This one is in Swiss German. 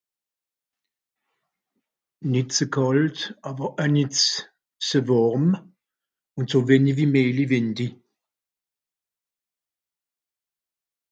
Nìt ze kàlt, àwer oe nìt ze wàrm, ùn so wenni wie méjli wìndi.